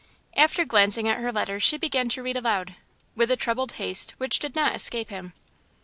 After glancing at her letters she began to read aloud, with a troubled haste which did not escape him.